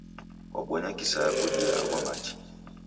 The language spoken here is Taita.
Kwabonya kisaya kudia agho machi